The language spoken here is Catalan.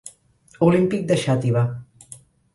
Olímpic de Xàtiva.